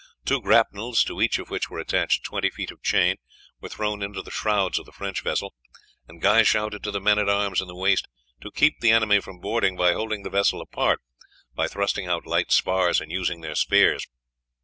Two grapnels, to each of which were attached twenty feet of chain, were thrown into the shrouds of the French vessel, and Guy shouted to the men at arms in the waist to keep the enemy from boarding by holding the vessels apart by thrusting out light spars and using their spears.